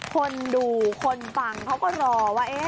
คนดูคนฟังเขาก็รอว่า